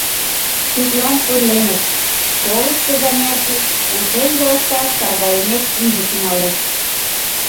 Тудлан ойленыт: школышто занятий пушеҥге лышташ саргайымек иже тӱҥалеш.